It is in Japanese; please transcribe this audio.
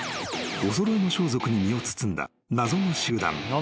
［お揃いの装束に身を包んだ謎の集団］